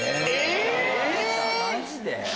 え⁉マジで？